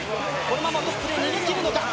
このままトップで逃げ切るのか？